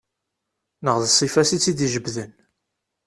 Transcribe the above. Neɣ d ssifa-s i tt-id-ijebden.